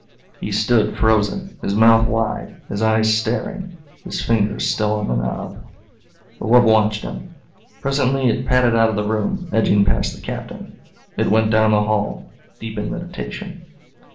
He stood frozen, his mouth wide, his eyes staring, his fingers still on the knob. The wub watched him. Presently it padded out of the room, edging past the Captain. It went down the hall, deep in meditation.